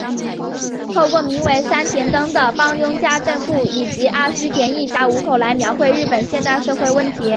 透过名为三田灯的帮佣家政妇以及阿须田一家五口来描绘日本现代社会问题。